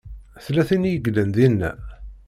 Tella tin i yellan dinna?